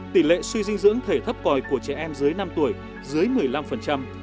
tỷ lệ suy dinh dưỡng thể thấp còi của trẻ em dưới năm tuổi dưới một mươi năm